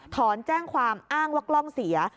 ถอนแจ้งความอ้างว่ากล้องเสีย